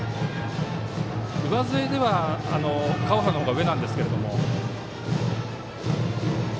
上背では川原のほうが上なんですけれども。